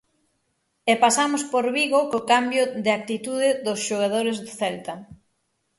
E pasamos por Vigo co cambio de actitude dos xogadores do Celta.